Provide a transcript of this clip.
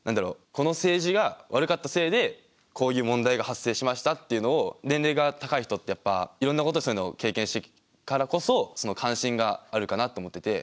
この政治が悪かったせいでこういう問題が発生しましたっていうのを年齢が高い人ってやっぱいろんなことをそういうの経験してるからこそその関心があるかなと思ってて。